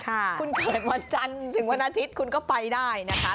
คุณเกิดวันจันทร์ถึงวันอาทิตย์คุณก็ไปได้นะคะ